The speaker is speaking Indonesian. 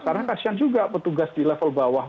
karena kasihan juga petugas di level bawah